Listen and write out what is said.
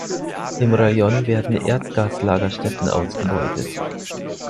Im Rajon werden Erdgaslagerstätten ausgebeutet.